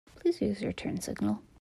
Please use your turn signal.